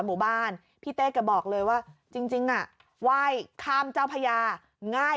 หมู่บ้านพี่เต้แกบอกเลยว่าจริงอ่ะไหว้ข้ามเจ้าพญาง่าย